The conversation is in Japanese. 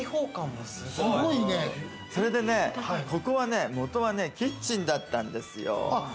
それでね、ここは元はキッチンだったんですよ。